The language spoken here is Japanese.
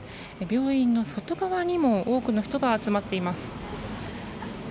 病院の外側にも多くの人が集まっています。